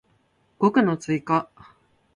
語句の追加